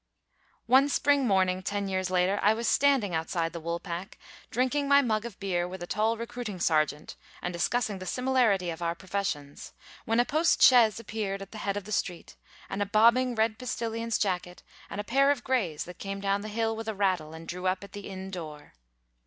One spring morning, ten years later, I was standing outside the "Woolpack," drinking my mug of beer with a tall recruiting sergeant, and discussing the similarity of our professions, when a post chaise appeared at the head of the street, and a bobbing red postillion's jacket, and a pair of greys that came down the hill with a rattle, and drew up at the inn door.